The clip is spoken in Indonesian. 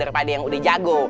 daripada yang udah jago